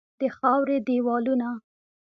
د خاوري دیوالونه